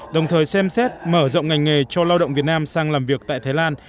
đồng thời xem xét mở rộng ngành nghề cho lao động việt nam sang làm việc tại thái lan